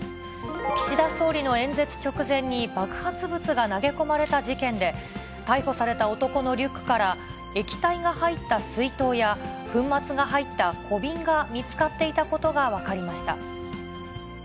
岸田総理の演説直前に爆発物が投げ込まれた事件で、逮捕された男のリュックから液体が入った水筒や、粉末が入った小瓶が見つかっていたことが分かりました。